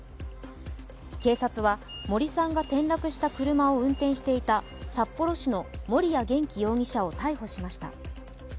警察は森さんが転落した車を運転していた札幌市の森谷元気容疑者を逮捕しました。